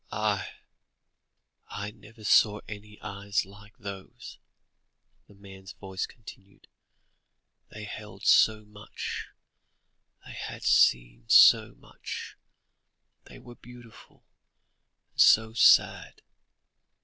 "I never saw any eyes like those," the man's voice continued; "they held so much they had seen so much, they were so beautiful and so sad.